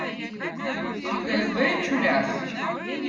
sika eb õõ čüläz